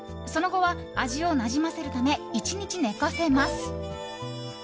その後は、味をなじませるため１日寝かせます。